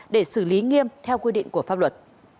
để xử lý nghiêm theo quy định của pháp luật